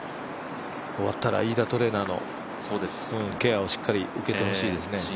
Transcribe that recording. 終わったら飯田トレーナーのケアをしっかり受けてほしいですね。